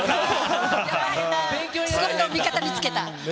すごいのを味方につけた。